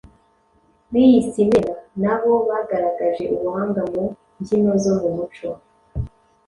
biyise “Imena,” na bo bagaragaje ubuhanga mu mbyino zo mu muco